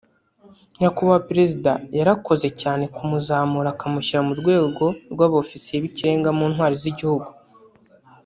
Nyakubahwa Perezida yarakoze cyane kumuzamura akamushyira mu rwego rw’aba ofisiye b’ikirenga mu ntwari z’igihugu